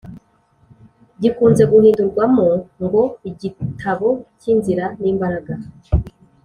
gikunze guhindurwamo ngo “igitabo cy’inzira n’imbaraga